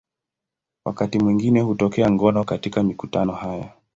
Wakati mwingine hutokea ngono katika mikutano haya.